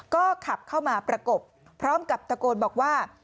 ก็ขับเข้ามาประกบพร้อมกับตะโกนบอกว่า